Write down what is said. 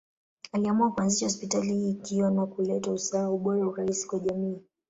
Aliamua kuanzisha hospitali hii ikiwa ni kuleta usawa, ubora, urahisi kwa jamii.